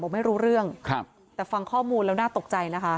ไม่รู้เรื่องครับแต่ฟังข้อมูลแล้วน่าตกใจนะคะ